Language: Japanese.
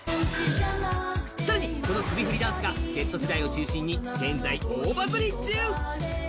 更に、この首振りダンスがＺ世代を中心に現在、大バズリ中。